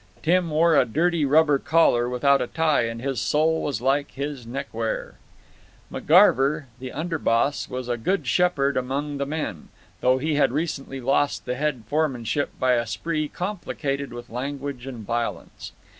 Tim wore a dirty rubber collar without a tie, and his soul was like his neckware. McGarver, the under boss, was a good shepherd among the men, though he had recently lost the head foremanship by a spree complicated with language and violence.